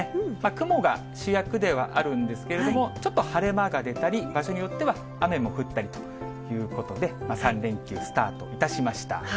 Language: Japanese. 雲が主役ではあるんですけれども、ちょっと晴れ間が出たり、場所によっては雨も降ったりということで、３連休スタートいたしました。